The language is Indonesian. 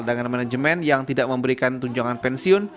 dengan manajemen yang tidak memberikan tunjangan pensiun